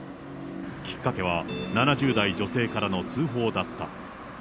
きっかけは、７０代女性からの通報だった。